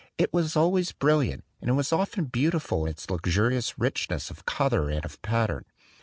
It was always brilliant; and it was often beautiful in its luxurious richness of color and of pattern.